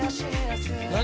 何？